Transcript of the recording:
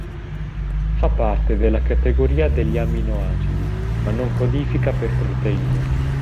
Fa parte della categoria degli amminoacidi ma non codifica per proteine.